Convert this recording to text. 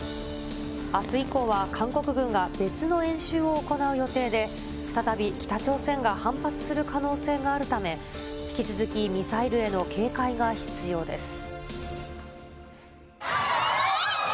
あす以降は韓国軍が別の演習を行う予定で、再び北朝鮮が反発する可能性があるため、引き続きミサイルへの警戒が必要です。